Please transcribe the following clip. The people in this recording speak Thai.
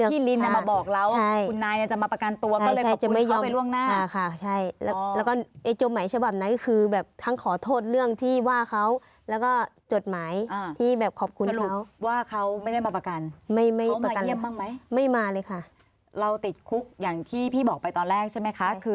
พอพี่ลินจะมาบอกเราว่าคุณนายจะมาประกันตัวก็เลยขอบคุณเขาไปล่วงหน้า